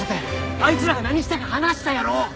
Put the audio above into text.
あいつらが何したか話したやろ！